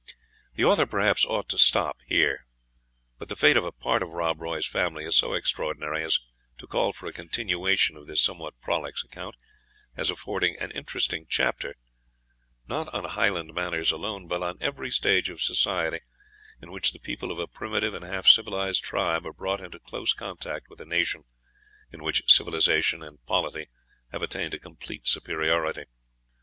The author perhaps ought to stop here; but the fate of a part of Rob Roy's family was so extraordinary, as to call for a continuation of this somewhat prolix account, as affording an interesting chapter, not on Highland manners alone, but on every stage of society in which the people of a primitive and half civilised tribe are brought into close contact with a nation, in which civilisation and polity have attained a complete superiority.